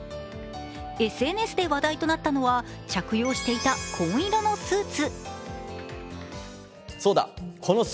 ＳＮＳで話題となったのは、着用していた紺色のスーツ。